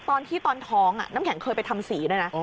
ตอนที่ตอนท้องน้ำแข็งเคยไปทำสีด้วยนะ